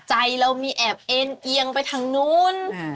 ใจเรามีแอบเอ็นเอียงไปทางนู้น